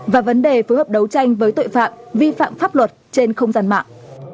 và vấn đề phối hợp đấu tranh với tội phạm vi phạm pháp luật trên không gian mạng